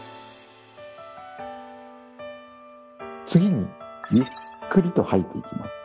次にゆっくりと吐いていきます。